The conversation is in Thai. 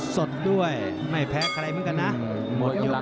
สดด้วยไม่แพ้ใครเมื่อกันนะ